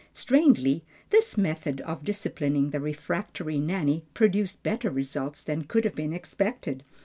Strangely, this method of disciplining the refractory Nanny produced better results than could have been expected.